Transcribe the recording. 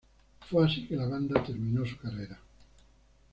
Fue así que la banda terminó su carrera.